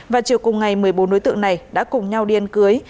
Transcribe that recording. và chiều cùng ngày một mươi bốn đối tượng này đã cùng nhau đi ăn cưới